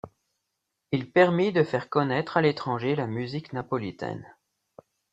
Il permit de faire connaître à l'étranger la musique napolitaine.